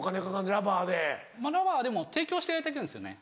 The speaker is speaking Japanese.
ラバーはでも提供していただいてるんですよね。